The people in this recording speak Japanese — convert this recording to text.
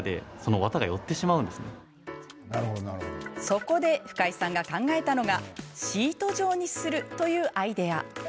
そこで深井さんが考えたのがシート状にするというアイデア。